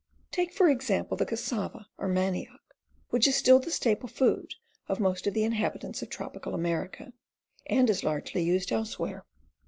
Take, for example, the cassava or manioc, which is still the staple food of most of the inhabitants of trop ical America and is largely used elsewhere.